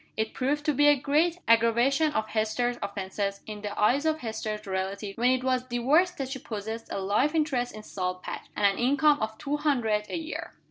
It proved to be a great aggravation of Hester's offenses, in the eyes of Hester's relatives, when it was discovered that she possessed a life interest in Salt Patch, and an income of two hundred a year.